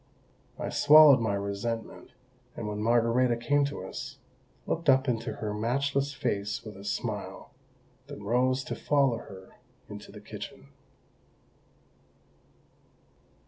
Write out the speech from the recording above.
I swallowed my resentment, and when Margarita came to us, looked up into her matchless face with a smile, then rose to follow her into the kitchen.